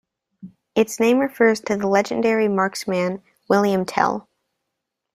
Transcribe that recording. Its name refers to legendary marksman William Tell.